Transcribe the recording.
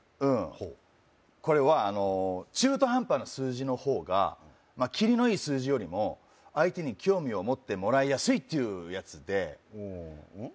ほうこれはあの中途半端な数字の方が切りのいい数字よりも相手に興味を持ってもらいやすいっていうやつでおおうん？